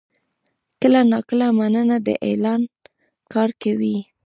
کله ناکله «مننه» د اعلان کار کوي.